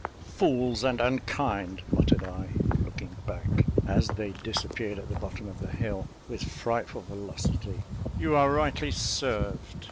"Fools and unkind," muttered I, looking back, as they disappeared at the bottom of the hill, with frightful velocity, "you are rightly served.